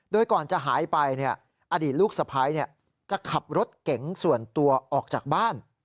โดยก่อนจะหายไปอดีตลูกสะพ้ายจะขับรถเก๋งส่วนตัวออกจากบ้าน